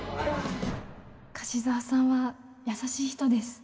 樫沢さんは優しい人です。